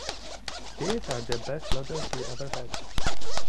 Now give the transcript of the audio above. These are the best lodgers we ever had.